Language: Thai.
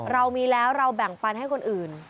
เรามีแล้วเราแบ่งปันให้คนอื่น